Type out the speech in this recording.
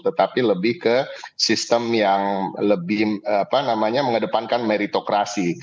tetapi lebih ke sistem yang lebih mengedepankan meritokrasi